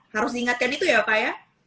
harus diingatkan itu ya pak ya